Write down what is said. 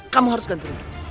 kamu harus gantung